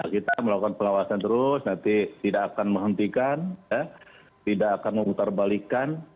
kita akan melakukan pengawasan terus nanti tidak akan menghentikan tidak akan mengutarbalikan